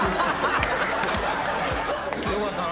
よかったな。